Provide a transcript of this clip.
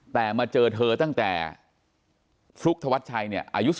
แต่มาเจอเธอตั้งแต่ภลุกษ์ทวัฒน์ไทยเนี่ยอายุ๑๖